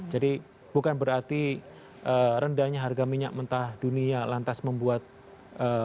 jadi bukan berarti rendahnya harga minyak mentah dunia lantas membuat pengamanan volatile food